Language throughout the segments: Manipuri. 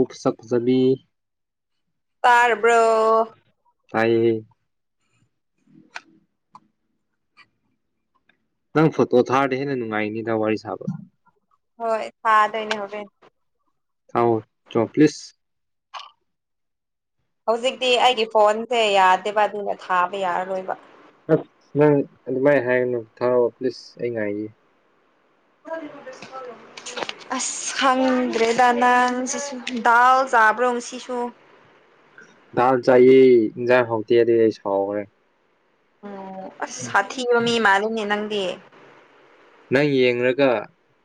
ꯎ ꯁꯛꯖꯅꯤ ꯇꯔꯔꯕ꯭ꯔꯣ ꯐꯥꯏ ꯍ ꯅꯪ ꯐꯣꯇꯣ ꯊꯥꯔꯗꯤ ꯍꯦꯟꯅ ꯅꯨꯡꯉꯥꯏꯅꯤꯗ ꯋꯥꯔꯤ ꯁꯥꯕ ꯍꯣꯏ ꯊꯥꯗꯣꯏꯅꯦ ꯍꯕꯦꯟ ꯊꯥꯎ ꯆ ꯄ꯭ꯂꯤꯁ ꯍꯧꯖꯤꯛꯇꯤ ꯑꯩꯒꯤ ꯐꯣꯟꯁꯦ ꯌꯥꯗꯦꯕ ꯑꯗꯨꯅ ꯊꯥꯕ ꯌꯥꯔꯔꯣꯏꯕ ꯑꯁ ꯅꯪ ꯑꯗꯨꯃꯥꯏꯅ ꯍꯥꯏꯒꯅꯨ ꯊꯥꯔꯛꯑꯣ ꯄ꯭ꯂꯤꯁ ꯑꯩ ꯉꯥꯏꯒ ꯍꯣ ꯍ ꯑꯁ ꯈꯪꯗ꯭ꯔꯦꯗ ꯅꯪ ꯁꯤꯁꯨ ꯗꯥꯎꯜ ꯆꯥꯕ꯭ꯔꯣ ꯁꯤꯁꯨ ꯗꯥꯜ ꯆꯥꯏꯌꯦ ꯏꯟꯁꯥꯡ ꯍꯥꯎꯇꯦ ꯑꯗꯨꯗꯤ ꯑꯩ ꯁꯥꯎꯈ꯭ꯔꯦ ꯎꯝ ꯑꯁ ꯁꯥꯊꯤꯕ ꯃꯤ ꯃꯥꯜꯂꯤꯅꯦ ꯅꯪꯗꯤ ꯅꯪ ꯌꯦꯡꯒ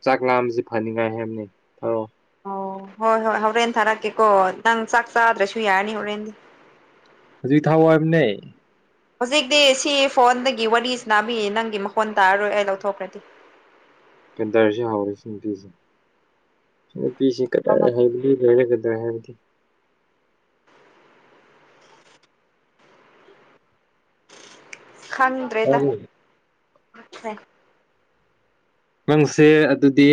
ꯆꯥꯛ ꯂꯥꯝꯕꯁꯤ ꯐꯅꯤꯡꯉꯥꯏ ꯍꯥꯏꯕꯅꯦ ꯊꯧꯔꯛꯑꯣ ꯑꯣ ꯍꯣꯏ ꯍꯣꯏ ꯍꯣꯔꯦꯟ ꯊꯥꯔꯛꯀꯦꯀꯣ ꯅꯪ ꯆꯥꯛ ꯆꯥꯗ꯭ꯔꯁꯨ ꯌꯥꯔꯅꯤ ꯍꯣꯔꯦꯟꯗꯤ ꯍꯧꯖꯤꯛ ꯊꯥꯎꯑꯣ ꯌꯥꯝ ꯅ ꯍꯧꯖꯤꯛꯇꯤ ꯁꯤ ꯐꯣꯟꯗꯒꯤ ꯋꯥꯔꯤꯁꯤ ꯅꯥꯕꯤꯌꯦ ꯅꯪꯒꯤ ꯃꯈꯣꯟ ꯇꯥꯔꯔꯣꯏ ꯑꯩ ꯂꯧꯊꯣꯛꯈ꯭ꯔꯗꯤ ꯀꯗꯔꯁꯨ ꯍꯧꯎꯔꯦ ꯁꯤ ꯅꯨꯄꯤꯁꯦ ꯁꯤ ꯅꯨꯄꯤꯁ ꯀ ꯍꯥꯏꯕꯗꯤ ꯂꯩꯒꯗ꯭ꯔꯦ ꯍꯥꯏꯕꯗꯤ ꯈꯪꯗ꯭ꯔꯦꯗ ꯅꯪꯁꯦ ꯑꯗꯨꯗꯤ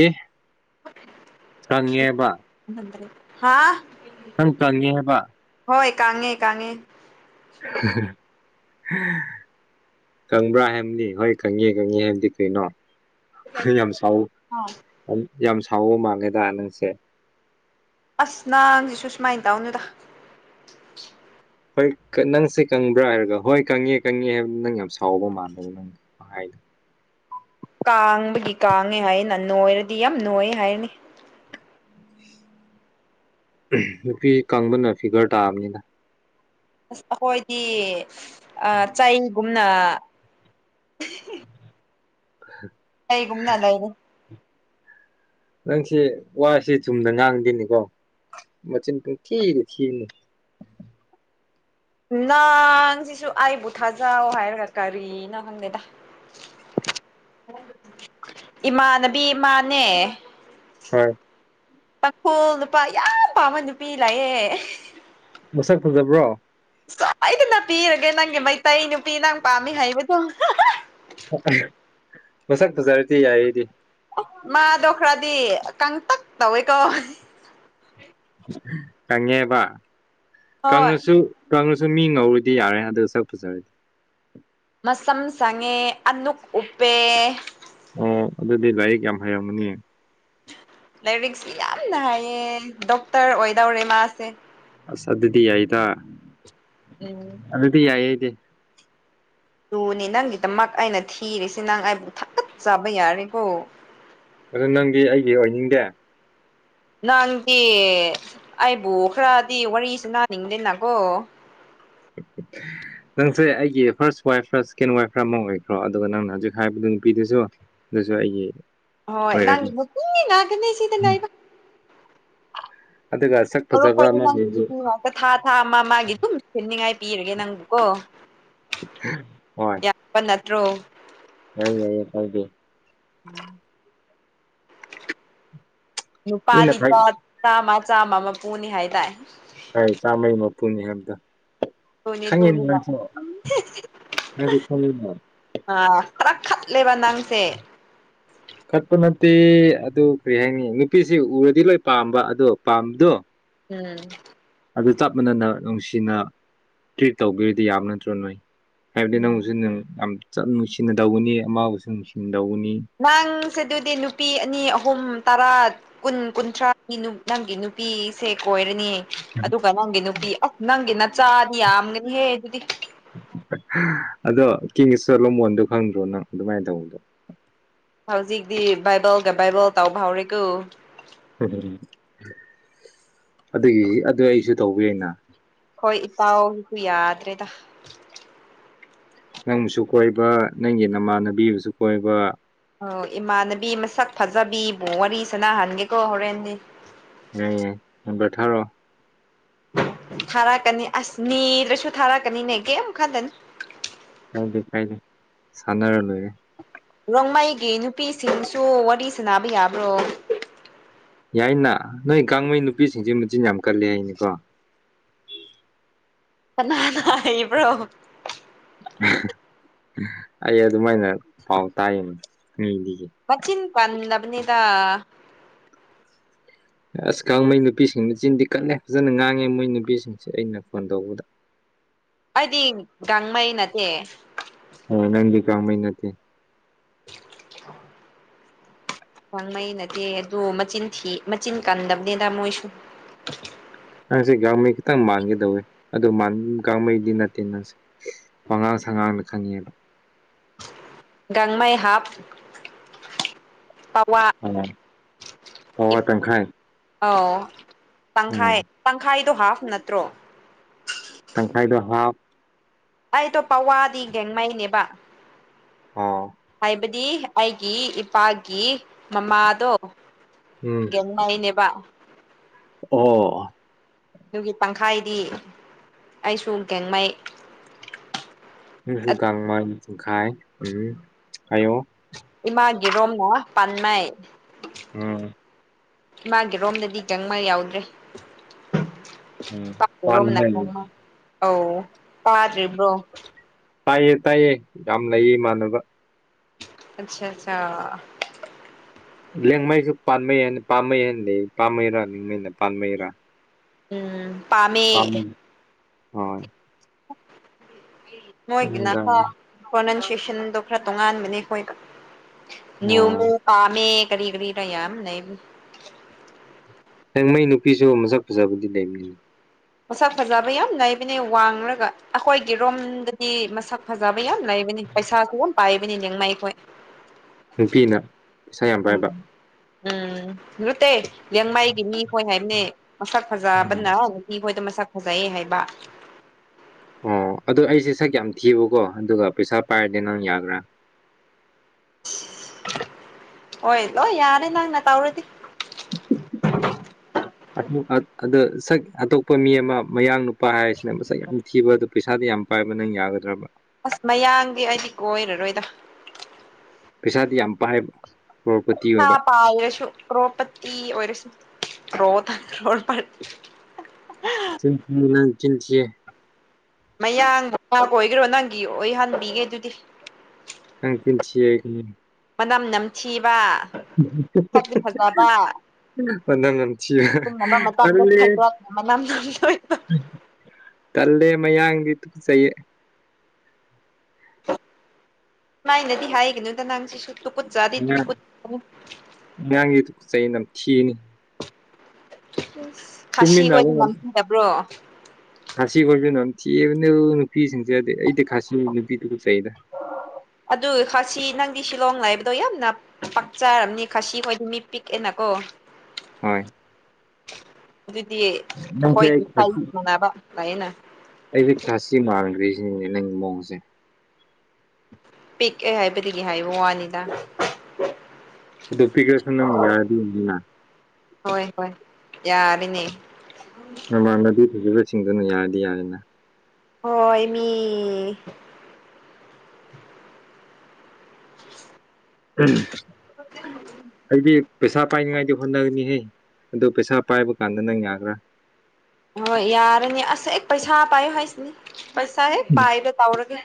ꯆꯪꯉꯦꯕ ꯗꯦ ꯍꯥ ꯅꯪ ꯀꯪꯉꯦ ꯍꯥꯏꯕ ꯍꯣꯏ ꯀꯥꯉꯦ ꯀꯥꯉꯦ [unintelligible] ꯀꯪꯕ꯭ꯔꯥ ꯍꯥꯏꯕꯅꯤ ꯍꯣꯏ ꯀꯪꯉ‌ꯦ ꯀꯪꯉ‌ꯦ ꯍꯥꯏꯕꯗꯤ ꯀꯩꯅꯣ ꯌꯥꯝ ꯁꯥꯎ ꯌꯥꯝ ꯁꯥꯎꯕ ꯃꯥꯜꯂ‌ꯦꯗ ꯅꯪꯁꯦ ꯑꯁ ꯅꯪꯁꯤꯁꯨ ꯁꯨꯃꯥꯏ ꯇꯧꯅꯨꯗ ꯍꯣꯏ ꯅꯪꯁꯦ ꯀꯪꯕ꯭ꯔꯥ ꯍꯥꯏꯔꯒ ꯍꯣꯏ ꯀꯪꯉꯦ ꯀꯪꯉꯦ ꯍꯥꯏꯕꯗ ꯅꯪ ꯌꯥꯝ ꯁꯥꯎꯕ ꯃꯥꯟꯂꯦ ꯅꯪ ꯋꯍꯥꯏꯗ‌ꯣ ꯀꯥꯡꯕꯒꯤ ꯀꯥꯡꯉꯦ ꯍꯥꯏꯅ ꯅꯣꯏꯔꯗꯤ ꯌꯥꯝ ꯅꯣꯏ ꯍꯥꯏꯔꯅꯤ ꯅꯨꯄꯤ ꯀꯪꯕꯅ ꯐꯤꯒꯔ ꯇꯥꯕꯅꯤꯗ ꯑꯁ ꯑꯩꯈꯣꯏꯗꯤ ꯑ ꯆꯩꯒꯨꯝꯅ [unintelligible] ꯀꯩꯒꯨꯝꯅ ꯂꯩꯔꯦ ꯅꯪꯁꯦ ꯋꯥꯁꯤ ꯆꯨꯝꯅ ꯉꯥꯡꯗꯦꯅꯤꯀꯣ ꯃꯆꯤꯟ ꯄꯨꯡꯊꯤꯅ ꯊꯤꯔꯅꯤ ꯅꯪ ꯁꯤꯁꯨ ꯑꯩꯕꯨ ꯊꯥꯖ ꯍꯥꯏꯔꯒ ꯀꯥꯔꯤꯅ ꯈꯪꯗꯦꯗ ꯏꯃꯥꯟꯅꯕꯤ ꯏꯃꯥꯅꯦ ꯍꯣꯏ ꯇꯥꯡꯈꯣꯜ ꯅꯨꯄꯥ ꯌꯥꯝ ꯄꯥꯝꯕ ꯅꯨꯄꯤ ꯂꯥꯛꯑꯦ ꯃꯁꯛ ꯐꯖꯕ꯭ꯔꯣ ꯁꯣꯏꯗꯅ ꯄꯤꯔꯒꯦ ꯅꯪꯒꯤ ꯃꯩꯇꯩ ꯅꯨꯄꯤ ꯅꯪ ꯄꯥꯝꯃꯤ ꯍꯥꯏꯕꯗꯨ ꯃꯁꯛ ꯐꯖꯔꯗꯤ ꯌꯥꯏꯗꯤ ꯃꯥꯗꯣ ꯈꯔꯗꯤ ꯀꯪꯇꯛ ꯇꯧꯋꯦꯀꯣ ꯀꯪꯉꯦꯕ ꯍꯣꯏ ꯀꯪꯉꯁꯨ ꯀꯪꯉꯁꯨ ꯃꯤ ꯉꯧꯔꯗꯤ ꯌꯥꯔꯦ ꯑꯗꯨ ꯁꯛ ꯐꯖꯔꯗꯤ ꯃꯁꯝ ꯁꯥꯡꯉꯦ ꯑꯅ‌ꯣꯛ ꯎꯞꯄꯦ ꯑꯣ ꯑꯗꯨꯗꯤ ꯂꯥꯏꯔꯤꯛ ꯌꯥꯝ ꯍꯩꯔꯝꯃꯅꯤ ꯂꯥꯏꯔꯤꯛꯁꯤ ꯌꯥꯝꯅ ꯍꯥꯏꯌꯦ ꯗꯣꯛꯇꯔ ꯑꯣꯏꯗꯧꯔꯦ ꯃꯥꯁꯦ ꯑꯁ ꯑꯗꯨꯗꯤ ꯌꯥꯏꯗꯥ ꯎꯝ ꯑꯗꯨ ꯌꯥꯥꯏ ꯑꯩꯗꯤ ꯇꯨꯅꯤ ꯅꯪꯒꯤꯗꯃꯛ ꯑꯩꯅ ꯊꯤꯔꯤꯁꯤ ꯅꯪ ꯑꯩꯕꯨ ꯊꯒꯠ ꯆꯥꯕ ꯌꯥꯔꯦꯀꯣ ꯑꯗꯨ ꯅꯪꯗꯤ ꯑꯩꯒꯤ ꯑꯣꯏꯅꯤꯡꯗꯦ ꯅꯪꯗꯤ ꯑꯩꯕꯨ ꯈꯔꯗꯤ ꯋꯥꯔꯤ ꯁꯥꯟꯅꯥꯅꯤꯡꯗꯦꯅꯀꯣ [inaudible] ꯅꯪꯁꯦ ꯑꯩꯒꯤ ꯐꯥꯔꯁ ꯋꯥꯏꯐꯔ ꯁꯦꯀꯦꯟ ꯋꯥꯏꯐꯔ ꯑꯃ ꯑꯣꯏꯈ꯭ꯔꯣ ꯑꯗꯨꯒ ꯅꯪꯅ ꯍꯧꯖꯤꯛ ꯍꯥꯏꯕꯗꯨ ꯅꯨꯄꯤꯗꯨꯖꯨ ꯗꯨꯁꯨ ꯑꯩꯒꯤ ꯍꯣꯏ ꯅꯪꯒꯤ ꯅꯨꯄꯤ ꯉꯥꯛꯇꯅ‌ꯦ ꯁꯤꯗ ꯂꯩꯔꯤꯕ ꯑꯗꯨꯒ ꯁꯛ ꯃꯔꯨꯞ ꯐꯖꯕ ꯈꯣꯏꯗꯤ ꯑꯃ [inaudible] ꯅꯪꯒꯤ ꯅꯨꯄꯤ ꯉꯥꯛꯇ ꯊꯥ ꯊꯥ ꯑꯃ ꯃꯥꯒꯤ ꯑꯗꯨꯝ ꯊꯤꯟꯅꯤꯡꯉꯥꯏ ꯄꯤꯔꯒꯦ ꯅꯪꯕꯨꯀꯣ ꯍꯣꯏ ꯄ ꯅꯠꯇ꯭ꯔꯣ ꯌꯥꯏ ꯌꯥꯏ ꯀꯥꯏꯗ‌ꯦ ꯃꯤꯅ ꯅꯨꯄꯥꯗꯤ ꯐꯥꯏ [unintelligible] ꯆꯥꯃ ꯆꯥꯃ ꯃꯥꯄꯨꯅꯤ ꯍꯥꯏꯗꯥꯏ ꯍꯣꯏ ꯆꯥꯝꯃꯩ ꯃꯄꯨꯅꯤ ꯍꯥꯏꯕꯗ‌ꯣ ꯗꯨꯅꯤ ꯗꯨꯅꯤ ꯂꯥꯛꯑꯣ ꯅꯪꯁꯨ ꯈꯪꯉꯤꯅ ꯑ ꯈꯔ ꯈꯠꯂꯦꯕ ꯅꯪꯁꯦ ꯈꯠꯄ ꯅꯠꯇꯦ ꯑꯗꯨ ꯀꯔꯤ ꯍꯥꯏꯅꯤ ꯅꯨꯄꯤꯁꯤ ꯎꯔꯗꯤ ꯂꯣꯏ ꯄꯥꯝꯕ ꯑꯗꯣ ꯄꯥꯝꯕꯗꯣ ꯎꯝ ꯑꯗꯨ ꯆꯞ ꯃꯥꯟꯅꯅ ꯅꯨꯡꯁꯤꯅ ꯇ꯭ꯔꯤꯠ ꯇꯧꯕꯤꯔꯗꯤ ꯌꯥꯕ ꯅꯠꯇ꯭ꯔꯣ ꯅꯣꯏ ꯍꯥꯏꯕꯗꯤ ꯎꯝ ꯅꯪꯕꯨꯁꯨ ꯅꯪ ꯌꯥꯝ ꯆꯝꯅ ꯅꯨꯡꯁꯤꯅꯗꯧꯕꯅꯤ ꯑꯃꯕꯨꯁꯨ ꯅꯨꯡꯁꯤꯅꯗꯧꯕꯅꯤ ꯅꯪꯁꯦ ꯑꯗꯨꯗꯤ ꯅꯨꯄꯤ ꯑꯅꯤ ꯑꯍꯨꯝ ꯇꯔꯥ ꯀꯨꯟ ꯀꯨꯟꯊ꯭ꯔꯥꯒꯤ [unintelligible] ꯅꯪꯒꯤ ꯅꯨꯄꯤꯁꯦ ꯀꯣꯏꯔꯅꯤ ꯑꯗꯨꯒ ꯅꯪꯒꯤ ꯅꯨꯄꯤ ꯑ ꯅꯪꯒꯤ ꯅꯆꯥꯗꯤ ꯌꯥꯝꯒꯅꯤꯍꯦ ꯑꯗꯨꯗꯤ ꯑꯗꯣ ꯀ ꯏꯁꯇꯣꯂꯣ ꯃꯣꯟꯗꯣ ꯈꯪꯗ꯭ꯔꯣ ꯅꯪ ꯑꯗꯨꯃꯥꯏꯅ ꯇꯧꯕꯗꯣ ꯍꯧꯖꯤꯛꯇꯤ ꯕꯥꯏꯕꯜꯒ ꯕꯥꯏꯕꯜ ꯇꯥꯎꯕ ꯍꯧꯔꯦꯀꯣ ꯎꯝ ꯑꯗꯨꯒꯤ ꯑꯗꯨ ꯑꯩꯁꯨ ꯇꯧꯕ ꯑꯩꯅ ꯍꯣꯏ ꯏꯇꯥꯎꯒꯤꯁꯨ ꯌꯥꯗ꯭ꯔꯦꯗ ꯅꯪꯁꯨ ꯀꯣꯏꯕ ꯅꯪꯒꯤ ꯅꯃꯥꯟꯅꯕꯤꯕꯨꯁꯨ ꯀꯣꯏꯕ ꯑꯣ ꯏꯃꯥꯟꯅꯕꯤ ꯃꯁꯛ ꯐꯖꯕꯤꯕꯨ ꯋꯥꯔꯤ ꯁꯅꯍꯟꯒꯦꯀꯣ ꯍꯣꯔꯦꯟꯗꯤ ꯌꯥ ꯅꯝꯕꯔ ꯊꯥꯔꯣꯑꯣ ꯊꯥꯔꯛꯀꯅꯤ ꯑꯁ ꯅꯤꯔꯁꯨ ꯊꯥꯔꯛꯀꯅꯤꯅꯦ ꯀꯦ ꯑꯃꯨꯛꯀꯟꯗꯟ ꯀꯥꯏꯗꯦ ꯀꯥꯏꯗꯦ ꯁꯅꯔ ꯂꯣꯏꯔ‌ꯦ ꯔꯣꯡꯃꯩꯒꯤ ꯅꯨꯄꯤꯁꯤꯡꯁꯨ ꯋꯥꯔꯤ ꯁꯥꯅꯕ ꯌꯥꯕ꯭ꯔꯣ ꯌꯥꯏꯅ ꯅꯣꯏ ꯒꯥꯡꯃꯩ ꯅꯨꯄꯤꯁꯤꯡꯁꯦ ꯃꯆꯤꯟ ꯌꯥꯝ ꯀꯜꯂꯦ ꯍꯥꯏꯅꯤꯀꯣ ꯀꯅꯥꯅꯥ ꯍꯥꯏꯕ꯭ꯔꯣ ꯑꯩ ꯑꯗꯨꯃꯥꯏꯅ ꯄꯥꯎ ꯇꯥꯏꯅꯦ ꯃꯤꯗꯒꯤ ꯃꯆꯤꯟ ꯄꯥꯜꯂꯕꯅꯤꯗ ꯑꯁ ꯒꯥꯡꯃꯩ ꯅꯨꯄꯤꯁꯤꯡ ꯃꯆꯤꯟꯗꯤ ꯀꯜꯂꯦ ꯐꯖꯅ ꯉꯥꯡꯉꯦ ꯃꯣꯏ ꯅꯨꯄꯤꯁꯤꯡꯁꯦ ꯑꯩꯅ ꯐꯣꯟ ꯇꯧꯕꯗ ꯑꯩꯗꯤ ꯒꯥꯡꯃꯩ ꯅꯠꯇꯦ ꯍ ꯅꯗꯤ ꯀꯥ ꯃ ꯅꯗꯤꯦ ꯑ ꯈꯥꯡꯃꯩꯅꯠꯇꯦ ꯑꯗꯨ ꯃꯆꯤꯟ ꯊꯤ ꯃꯆꯤꯟ ꯀꯟꯗꯕꯅꯤꯗ ꯃꯣꯏꯁꯨ ꯅꯪꯁꯦ ꯒꯥꯡꯃꯩ ꯈꯤꯇꯪ ꯃꯥꯟꯒꯗꯧꯋꯦ ꯑꯗꯨ ꯒꯥꯡꯃꯩꯗꯤ ꯅꯠꯇꯦ ꯅꯪꯁꯦ ꯋꯥꯉꯥꯡ ꯁꯉꯥꯡꯅ ꯈꯪꯉꯦꯗꯣ ꯃꯥꯏ ꯍꯥꯞ ꯄꯋꯥ ꯑꯥ ꯍꯋꯥ ꯇꯪꯈꯥꯏ ꯑꯥꯎ ꯇꯪꯈꯥꯏ ꯎꯝ ꯄꯪꯈꯥꯏꯗꯣ ꯍꯥꯞ ꯅꯠꯇ꯭ꯔꯣ ꯇꯪꯈꯥꯏꯗ ꯍꯥꯞ ꯑꯩꯗꯣ ꯄꯋꯥꯗꯤꯒꯦꯡꯉꯩꯅꯦꯕ ꯑꯣ ꯍꯥꯏꯕꯗꯤ ꯑꯩꯒꯤ ꯏꯄꯥꯒꯤ ꯃꯃꯥꯗꯣ ꯎꯝ ꯉꯅꯦꯕ ꯑꯣ ꯑꯗꯨꯒꯤ ꯇꯪꯈꯥꯏꯗꯤ ꯑꯩꯁꯨ ꯒꯦꯡꯉꯩ ꯏꯐꯨꯒꯥꯡꯃꯥꯏ ꯏꯐꯨꯈꯥꯏ ꯎꯝ ꯍꯥꯏꯌꯨꯣ ꯏꯃꯥꯒꯤꯔꯣꯝꯅ ꯄꯥꯟꯅꯩ ꯎꯝ ꯏꯃꯒꯤ ꯔꯣꯝꯗꯗꯤ ꯆꯪꯕ ꯌꯥꯎꯗ꯭ꯔꯦ ꯎꯝ ꯔꯣꯝꯅ ꯄꯥꯟꯃꯩ ꯑꯧ ꯄꯥꯗ꯭ꯔꯤꯕ꯭ꯔꯣ ꯇꯥꯏꯌꯦ ꯇꯥꯏꯌꯦ ꯌꯥꯝ ꯂꯩꯌꯦ ꯏꯃꯥꯟꯅꯕ ꯑꯆꯥ ꯑꯆꯥ ꯂꯦꯡꯃꯩꯁꯨ ꯄꯥꯟꯕꯩ ꯄꯥꯝꯕꯩ ꯌꯥꯗꯤ ꯄꯥꯝꯃꯩꯔꯥ ꯅꯤꯡꯃꯩꯅ ꯄꯥꯟꯕꯩꯔꯥ ꯎꯝ ꯑ ꯄꯥꯝꯃꯦ ꯍꯣꯏ ꯃꯣꯏꯒꯤꯅ ꯄ꯭ꯔꯣꯅꯟꯁꯤꯌꯦꯁꯟꯗꯣ ꯈꯔ ꯇꯣꯉꯥꯟꯕꯅꯦ ꯑꯩꯈꯣꯏꯗ ꯅꯅꯤꯌꯨꯃꯦ ꯑꯣ ꯄꯥꯃꯦ ꯀꯔꯤ ꯀꯔꯤ ꯇ ꯌꯥ ꯅ ꯍꯡ ꯃꯩ ꯅꯨꯄꯤꯁꯨ ꯃꯁꯛ ꯐꯖꯕꯗꯤ ꯂꯩꯅꯤꯅꯤ ꯃꯁꯛ ꯐꯖꯕ ꯌꯥꯝ ꯂꯩꯕꯅꯤ ꯋꯥꯡꯡꯂꯒ ꯑꯩꯈꯣꯏꯒꯤ ꯔꯣꯝꯗꯗꯤ ꯃꯁꯛ ꯐꯖꯕ ꯌꯥꯝ ꯂꯩꯕꯅꯤ ꯄꯩꯁꯥꯁꯤꯒꯝ ꯄꯥꯏꯕꯅꯤ ꯅꯤꯡꯃ ꯑꯩꯈꯣꯏ ꯅꯨꯄꯤꯅ ꯄꯩꯁꯥ ꯌꯥꯝ ꯎꯝ ꯄꯥꯏꯕ ꯎꯝ ꯂꯠꯇꯦ ꯌꯦꯦꯡꯃꯥꯏꯒꯤ ꯃꯤ ꯍꯣꯏ ꯍꯥꯏꯕꯅꯦ ꯃꯁꯛ ꯎꯝ. ꯐꯖꯕꯅ ꯅꯨꯄꯤꯈꯣꯏꯗ ꯃꯁꯛ ꯐꯖꯩ ꯍꯥꯏꯕ ꯑꯣ ꯑꯗꯨꯗꯣ ꯑꯩꯁꯦ ꯁꯛ ꯌꯥꯝ ꯊꯤꯌꯨꯀꯣ ꯑꯗꯨꯒ ꯄꯩꯁꯥ ꯄꯥꯏꯔꯗꯤ ꯅꯪ ꯌꯥꯒ꯭ꯔꯥ ꯍꯂꯣ ꯌꯥꯔꯦ ꯂꯅꯥꯅ ꯇꯧꯔꯗꯤ ꯑꯗ ꯁꯛ ꯑꯇꯣꯞꯄ ꯃꯤ ꯑꯃ ꯃꯌꯥꯡ ꯅꯨꯄꯥ ꯍꯥꯏꯔꯤꯁꯤꯅ ꯃꯁꯛ ꯌꯥꯝ ꯊꯤꯕ ꯑꯗꯨꯣ ꯄꯩꯁꯥꯗꯤ ꯌꯥꯝ ꯄꯥꯏꯕ ꯅꯪ ꯌꯥꯒꯗ꯭ꯔꯕ ꯑꯁ ꯃꯌꯥꯡꯗꯤ ꯑꯩꯗꯤ ꯀꯣꯏꯔꯔꯣꯏꯗ ꯄꯩꯁꯥꯗꯤ ꯌꯥꯝ ꯄꯥꯏꯕ ꯀꯣꯔ ꯍꯥ ꯄꯁꯨꯣꯄ [inaudible] ꯇ ꯔꯣ ꯇꯣ ꯄ [inaudible] ꯆꯟꯁꯤꯦ [inaudible] ꯃꯌꯥꯡ ꯑꯣꯏꯈꯔꯣ ꯅꯪꯒꯤ ꯑꯣꯏꯍꯟꯕꯤꯒꯦ ꯑꯗꯨꯗꯤ ꯀꯪꯀꯤꯜꯁꯤ ꯃꯅꯝ ꯅꯝꯊꯤꯕ ꯁꯛꯇꯤ ꯐꯖꯕ ꯇꯤ ꯅꯅꯝꯁꯤ ꯀ ꯄꯨꯟꯅꯕ ꯃꯇꯝꯗ ꯈꯥꯏꯗꯣꯛꯅ ꯃꯅꯝ ꯅꯝꯊꯤꯕ ꯇꯜꯂꯦ ꯃꯌꯥꯡꯒꯤꯨ ꯆꯌꯦ ꯗꯨꯃꯥꯏꯅꯗꯤ ꯍꯥꯏꯒꯅꯣꯗ ꯅꯪ ꯁꯤꯁꯨ ꯇꯨꯀꯨꯠ ꯆꯠꯗꯤ ꯇꯨꯀꯨꯠ ꯉꯥꯡꯒꯤꯗꯨ [inaudible] ꯠ ꯆꯩꯩꯅ ꯌꯥꯝ ꯊꯤꯅꯤ ꯇꯨꯃꯤꯟꯅꯕ ꯈꯥꯁꯤꯈꯣꯏꯗꯤ ꯉꯝ ꯉꯥꯝꯅꯤꯡꯗꯕ꯭ꯔꯣ ꯈꯥꯁꯤ ꯈꯣꯏꯕꯤ ꯅꯝꯊꯤꯕꯅꯦ ꯅꯨꯄꯤꯁꯤꯡꯁꯦꯗꯤ ꯑꯩꯗꯤ ꯈꯥꯁꯤ ꯅꯨꯄꯤ ꯇꯨꯒꯨꯠꯖꯩꯗ ꯑꯗꯨ ꯈꯥꯁꯤ ꯅꯪꯗꯤ ꯁꯤꯂꯣꯡ ꯂꯩꯕꯗꯣ ꯌꯥꯝꯅ ꯄꯥꯛꯆꯥꯔꯝꯅꯤ ꯈꯥꯁꯤ ꯈꯣꯏꯗꯤ ꯃꯤ ꯄꯤꯛꯑꯦꯅꯀꯣ ꯍꯣꯏ ꯑꯗꯨꯗꯤ ꯅꯪꯁꯦ ꯑꯩꯈꯣꯏꯒꯤ ꯑꯩ ꯢꯝꯐꯥꯜ ꯈꯥꯁꯤ ꯒꯨꯝ ꯐꯩꯅ ꯑꯩꯁꯦ ꯈꯥꯁꯤ ꯃꯥꯡꯈ꯭ꯔꯤꯁꯤꯅꯤꯅꯦ ꯅꯪꯒꯤ ꯃꯣꯡꯁꯦ ꯄꯤꯛꯑꯦ ꯍꯥꯏꯕꯗꯒꯤ ꯍꯥꯏꯕ ꯋꯥꯅꯤꯗ ꯑꯗꯨ ꯄꯤꯈꯔꯁꯨ ꯅꯪ ꯌꯥꯏꯅꯥ ꯍꯣꯏ ꯍꯣꯏ ꯌꯥꯔꯦꯅꯦ ꯃꯃꯥꯟꯅꯕꯤ ꯊꯤꯕꯁꯤꯡꯗꯨꯅ ꯌꯥꯔꯗꯤ ꯌꯥꯔꯦꯅ ꯍꯣꯏ ꯃꯤ ꯎꯝ ꯑꯩꯗꯤ ꯄꯩꯁꯥ ꯄꯥꯏꯅꯤꯡꯉꯥꯏꯗꯤ ꯍꯣꯠꯅꯒꯅꯤꯍꯦ ꯑꯗꯨ ꯄꯩꯁꯥ ꯄꯥꯏꯕ ꯀꯥꯟꯗ ꯅꯪ ꯌꯥꯕ꯭ꯔꯥ ꯍꯣꯏ ꯌꯥꯔꯅꯦ ꯑꯁ ꯍꯦꯛ ꯄꯩꯁꯥ ꯄꯥꯏꯌꯣ ꯍꯥꯏꯁꯤꯅꯦ ꯄꯩꯁꯥ ꯍꯦꯛ ꯄꯥꯏꯕ ꯇꯧꯔꯒꯦ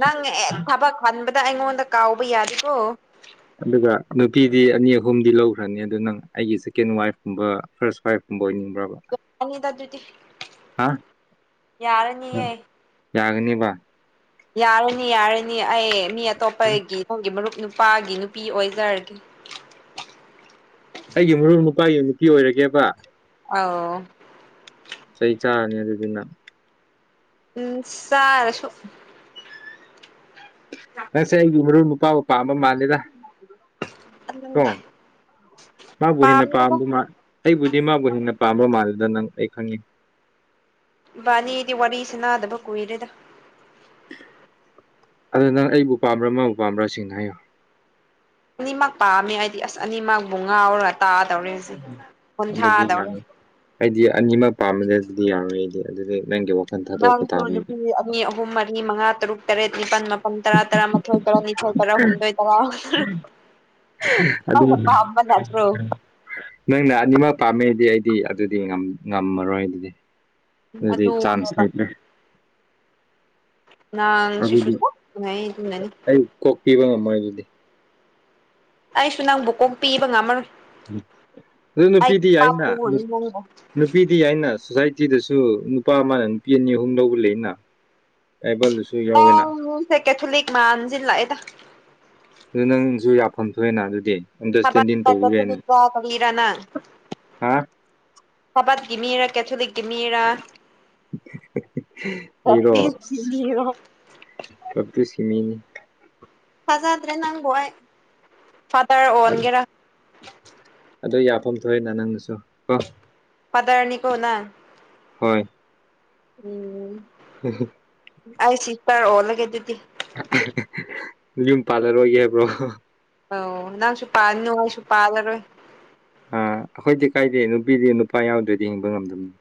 ꯅꯪ ꯍꯦꯛ ꯊꯕꯛ ꯈꯟꯕꯗ ꯑꯩꯉꯣꯟꯗ ꯀꯥꯎꯕ ꯌꯥꯗꯦꯀꯣ ꯑꯗꯨꯒ ꯅꯨꯄꯤꯗꯤ ꯑꯅꯤ ꯑꯍꯨꯝꯗꯤ ꯂꯧꯈ꯭ꯔꯅꯤ ꯑꯗꯨ ꯅꯪ ꯑꯩꯒꯤ ꯁꯦꯀꯦꯟ ꯋꯥꯏꯐꯀꯨꯝꯕ ꯐꯥꯔꯁ ꯋꯥꯏꯐ ꯕ ꯑꯣꯢꯅꯤꯡꯕ꯭ꯔꯕ ꯇꯜꯂꯤꯗ ꯑꯗꯨꯗꯤ ꯍꯥ ꯌꯥꯔꯅꯤꯌꯦ ꯌꯥꯒꯅꯤꯕ ꯌꯥꯔꯅꯤ ꯌꯥꯔꯅꯤ ꯑꯩ ꯃꯤ ꯑꯇꯣꯞꯄꯒꯤ ꯅꯪꯒꯤ ꯃꯔꯨꯞ ꯅꯨꯄꯥꯒꯤ ꯅꯨꯄꯤ ꯑꯣꯏꯖꯔꯒꯦ ꯑꯩꯒꯤ ꯃꯔꯨꯞ ꯅꯨꯄꯥꯒꯤ ꯅꯨꯄꯤ ꯑꯣꯏꯔꯒꯦꯕ ꯑꯥꯎ ꯆꯩ ꯆꯥꯒꯅꯤ ꯑꯗꯨꯗꯤ ꯅꯪ ꯑꯁ ꯆꯔꯁꯨ ꯅꯪꯁꯦ ꯑꯩꯒꯤ ꯃꯔꯨꯞ ꯅꯨꯄꯥ ꯕꯨ ꯄꯥꯝꯕ ꯃꯥꯜꯂꯦꯗ ꯀꯣ ꯃꯥꯕꯨ ꯍꯦꯟꯅ ꯄꯥꯝꯗꯦꯗ ꯄꯥꯝꯕ ꯑꯩꯕꯨꯗꯤ ꯃꯥꯕꯨ ꯍꯦꯟꯅ ꯄꯥꯝꯕ ꯃꯥꯜꯂꯦꯗ ꯅꯪ ꯑꯩ ꯈꯪꯉꯤ ꯢꯕꯥꯅꯤꯗꯤ ꯋꯥꯔꯤ ꯁꯅꯥꯗꯕ ꯀꯨꯏꯔꯦꯗ ꯑꯗꯨ ꯅꯪ ꯑꯩꯕꯨ ꯄꯥꯝꯕ꯭ꯔꯥ ꯃꯥꯕꯨ ꯄꯥꯝꯕ꯭ꯔꯥ ꯁꯦꯡꯅ ꯍꯥꯏꯌꯨ ꯑꯅꯤꯃꯛ ꯄꯥꯝꯃꯦ ꯑꯩꯗꯤ ꯑꯁ ꯑꯅꯤꯃꯛꯕꯨ ꯉꯥꯎꯔꯦ ꯇꯥꯗꯧꯔꯦ ꯍꯧꯖꯤꯛ ꯋꯥꯡꯊꯥꯗꯧꯔꯦ ꯍꯥꯏꯗꯤ ꯑꯅꯤꯃꯛ ꯄꯥꯝꯕꯗꯤ ꯑꯗꯨꯗꯤ ꯌꯥꯔꯣꯏꯗ ꯑꯗꯨꯗꯤ ꯅꯪꯒꯤ ꯋꯥꯈꯜ ꯊꯥꯗꯣꯛꯄ ꯅꯪꯁꯨ ꯇꯥꯕꯅꯤ ꯅꯨꯄꯤ ꯑꯅꯤ ꯑꯍꯨꯝ ꯃꯔꯤ ꯃꯉꯥ ꯇꯔꯨꯛ ꯇꯔꯦꯠ ꯅꯤꯄꯥꯜ ꯇꯔꯥ ꯃꯥꯊꯣꯏ ꯇꯔꯥ ꯅꯤꯊꯣꯏ ꯇꯔꯥ ꯍꯨꯝꯗꯣꯏ ꯇꯔꯥ ꯑꯗꯨ ꯑꯄꯥ ꯑꯃ ꯌꯥꯠꯇ꯭ꯔꯣ [inaudible] ꯅꯪꯅ ꯑꯅꯤꯃꯛ ꯄꯥꯝꯃꯦꯗꯤ ꯑꯩꯗꯤ ꯑꯗꯨꯗꯤ ꯉꯝ ꯉꯝꯃꯔꯣꯏ ꯑꯗꯨꯗꯤ ꯑꯗꯨꯗꯤ ꯆꯥꯥꯟꯁ ꯑꯗꯨꯅꯦꯕ ꯂꯩꯇ꯭ꯔꯦ ꯅꯪ ꯁꯤꯁꯨ ꯑꯗꯨꯗꯤ [unintelligible] ꯑꯩ ꯀꯣꯛꯄꯤꯕ ꯉꯝꯃꯣꯏ ꯑꯗꯨꯗꯤ ꯑꯩꯁꯨ ꯅꯪꯕꯨ ꯀꯣꯛ ꯄꯤꯕ ꯉꯝꯃꯔꯣꯏ ꯑꯗꯨ ꯑꯩ ꯅꯨꯄꯤꯗꯤ ꯌꯥꯏꯅ ꯄꯥꯞꯄꯨꯔꯅꯤ ꯅꯨꯞ ꯅꯪꯕꯨ ꯅꯨꯄꯤꯗꯤ ꯋꯥꯅ ꯁꯣꯁꯥꯏꯇꯤꯗꯁꯨ ꯅꯨꯄꯥ ꯑꯃꯅ ꯅꯨꯄꯤ ꯑꯅꯤ ꯑꯍꯨꯝ ꯂꯧꯕ ꯂꯩꯅ ꯑꯩꯉꯣꯡꯗꯁꯨ ꯌꯥꯎꯋꯤꯅ ꯅꯪꯁꯦ ꯀꯦꯊꯣꯂꯤꯛ ꯃꯥꯥꯟꯕꯁꯦ ꯂꯥꯛꯑꯦꯗ ꯑꯗꯨ ꯅꯪꯁꯨ ꯌꯥꯐꯝ ꯊꯣꯛꯑꯦꯅ ꯑꯗꯨꯗꯤ ꯑꯟꯗꯔꯁꯇꯦꯟꯗꯤꯡ ꯆ ꯇꯧꯕꯤꯕꯅꯤ ꯀꯔꯅ [inaudible] ꯍꯥ ꯊꯕꯛꯒꯤ ꯃꯤꯔꯥ ꯀꯦꯊꯣꯂꯤꯛ ꯀꯤꯃꯤꯔ [unintelligible] ꯀꯞꯗꯤꯁꯀꯤ ꯃꯤꯅꯤ ꯊꯥꯖꯗ꯭ꯔꯦ ꯅꯪꯕꯨ ꯑꯩ ꯐꯥꯗꯔ ꯑꯣꯟꯒꯦꯔ ꯑꯗꯨ ꯌꯥꯐꯝ ꯊꯣꯛꯑꯦꯅ ꯅꯪꯅꯁꯨ ꯀꯣ ꯐꯥꯗꯔꯅꯤ ꯀꯣ ꯅꯪ ꯍꯣꯏ ꯎꯝ [unintelligible] ꯑꯩ ꯆꯤꯠꯇꯔ ꯑꯣꯜꯂꯒꯦ ꯑꯗꯨꯗꯤ ꯌꯨꯝ ꯄꯥꯜꯂꯔꯣꯏꯒꯦ ꯍꯥꯏꯕ꯭ꯔꯣ ꯑꯣ ꯅꯪꯁꯨꯨ ꯄꯥꯟꯅꯨ ꯑꯩꯁꯨꯨ ꯄꯥꯜꯂꯔꯣꯏ ꯑꯥ ꯑꯩꯈꯣꯏꯗꯤ ꯀꯥꯏꯗꯦ ꯅꯨꯄꯤꯗꯤ ꯅꯨꯄꯥ ꯌꯥꯎꯗ꯭ꯔꯗꯤ ꯍꯤꯡꯕ ꯉꯝꯗꯕꯅꯤ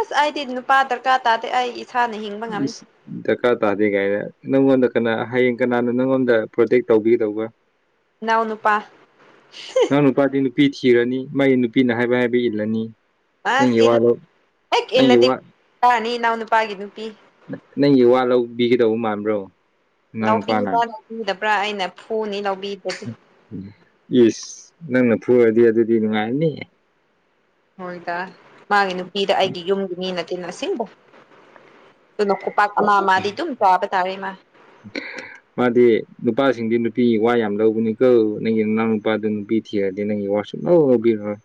ꯑꯁ ꯑꯩꯗꯤ ꯅꯨꯄꯥ ꯗꯔꯀꯥꯔ ꯇꯥꯗꯦ ꯑꯩ ꯏꯁꯥꯅ ꯍꯤꯡ [inaudible] ꯗꯔꯀꯥꯔ ꯇꯥꯗꯦ ꯀꯥꯏꯅ ꯅꯪꯉꯣꯟꯗ ꯀꯅꯥ ꯍꯌꯦꯡ ꯀꯅꯥꯅꯣ ꯅꯪꯉꯣꯟꯗ ꯄ꯭ꯔꯣꯇꯦꯛ ꯇꯧꯕꯤꯗꯧꯕ ꯏꯅꯥꯎ ꯅꯨꯄꯥ [unintelligible] ꯅꯪ ꯅꯨꯄꯥꯗꯤ ꯅꯨꯄꯤ ꯊꯤꯔꯅꯤ ꯃꯥꯒꯤ ꯅꯨꯄꯤꯅ ꯍꯥꯏꯕ ꯍꯥꯏꯕ ꯏꯜꯂꯅꯤ ꯑꯁ ꯅꯪꯒꯤ ꯋꯥꯗꫭ ꯅꯪꯒꯤ ꯋꯥ ꯇꯥꯅꯤ ꯏꯅꯥꯎ ꯅꯨꯄꯒꯤ ꯅꯨꯄꯤ ꯅꯪꯒꯤ ꯋꯥ ꯂꯧꯕꯤꯒꯗꯧꯕ ꯃꯥꯟꯕ꯭ꯔꯣ ꯅꯅꯥꯎ ꯅꯨꯄꯥꯅ ꯂꯧꯕꯤꯕ꯭ꯔꯥ ꯂꯧꯕꯤꯗꯕ꯭ꯔꯥ ꯑꯩꯅ ꯐꯨꯅꯤ ꯂꯧꯕꯤꯗꯗꯤ ꯏꯁ ꯅꯪꯅ ꯐꯨꯔꯗꯤ ꯑꯗꯨꯗꯤ ꯅꯨꯡꯉꯥꯏꯔꯅꯤ ꯍꯣꯏꯗ ꯃꯥꯒꯤ ꯅꯨꯄꯤꯗ ꯑꯩꯒꯤ ꯌꯨꯝꯒꯤ ꯃꯤ ꯅꯠꯇꯦꯅ ꯑꯁꯦꯡꯕ ꯑꯗꯨꯅ ꯈꯨꯞ ꯄꯥꯛ ꯑꯃ ꯃꯥꯗꯤ ꯇꯨꯝ ꯆꯥꯕ ꯇꯥꯏꯌꯦ ꯃꯥ [unintelligible] ꯃꯥꯗꯤ ꯅꯨꯄꯥꯁꯤꯡꯗꯤ ꯅꯨꯄꯤꯒꯤ ꯋꯥ ꯌꯥꯝ ꯂꯧꯕꯅꯤ ꯀꯧ ꯅꯪꯒꯤ ꯅꯅꯥꯎ ꯅꯨꯄꯥꯗꯨ ꯅꯨꯄꯤ ꯊꯤꯔꯗꯤ ꯅꯪꯒꯤ ꯋꯥ ꯁꯨꯛꯂꯧ ꯂꯧꯕꯤꯔꯣꯏ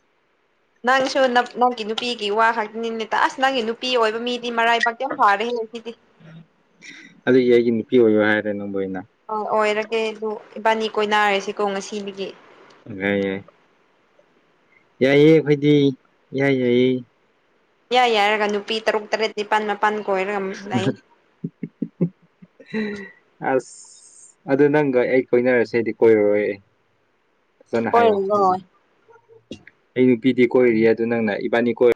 ꯅꯪꯁꯨ ꯅꯪꯒꯤ ꯅꯨꯄꯤꯒꯤ ꯋꯥ ꯍꯥꯏꯕꯅꯤꯅꯦ ꯇ ꯑꯁ ꯅꯪꯒꯤ ꯅꯨꯄꯤ ꯑꯣꯏꯕ ꯃꯤꯗꯤ ꯃꯔꯥꯏꯕꯥꯛ ꯌꯝ ꯐꯥꯔꯦ ꯍꯦ ꯁꯤꯗꯤ ꯑꯗꯨꯒꯤ ꯑꯩꯒꯤ ꯅꯨꯄꯤ ꯑꯣꯏꯌꯣ ꯍꯥꯏꯔꯦ ꯅꯪꯕꯨ ꯑꯩꯅ ꯑꯧ ꯑꯣꯏꯔꯒꯦ ꯑꯗꯨ ꯏꯕꯥꯅꯤ ꯀꯣꯏꯅꯔꯁꯤꯀꯣ ꯉꯁꯤꯗꯒꯤ ꯐꯖꯩꯌꯦ ꯌꯥꯏꯌꯦ ꯑꯩꯈꯣꯏꯗꯤ ꯏꯌꯥ ꯌꯥꯏꯌꯦ ꯌꯥꯏ ꯌꯥꯏꯔꯒ ꯅꯨꯄꯤ ꯇꯔꯨꯛ ꯇꯔꯦꯠ ꯅꯤꯄꯥꯟ ꯃꯥꯄꯟ ꯀꯣꯏꯔꯒ ꯂꯩ ꯑꯁ ꯑꯗꯨ ꯅꯪꯒ ꯑꯩ ꯀꯣꯏꯅꯔꯁꯦꯗꯤ ꯀꯣꯏꯔꯔꯣꯏ ꯐꯖꯅ ꯍꯥꯏꯌꯣ ꯀꯣꯏꯔꯨꯅꯣ ꯑꯩ ꯅꯨꯄꯤꯗꯤ ꯀꯣꯏꯔꯤ ꯑꯗꯨ ꯅꯪꯅ ꯏꯕꯥꯅꯤ ꯀꯣꯏ